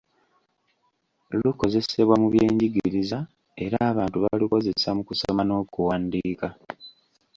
Lukozesebwa mu byenjigiriza era abantu balukozesa mu kusoma n’okuwandiika.